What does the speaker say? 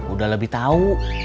udah lebih tahu